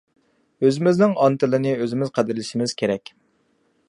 ئۆزىمىزنىڭ ئانا تىلىنى ئۆزىمىز قەدىرلىشىمىز كېرەك.